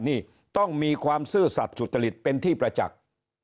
นี่ต้องมีความซื่อสัตว์สุจริตเป็นที่ประจักษ์